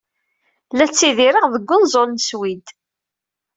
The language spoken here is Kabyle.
La ttidireɣ deg unẓul n Swid.